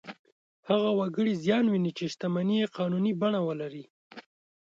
هغه وګړي زیان ویني چې شتمنۍ یې قانوني بڼه ولري.